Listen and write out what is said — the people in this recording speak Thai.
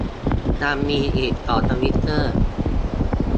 ยังมีอีกสองทวิตเตอร์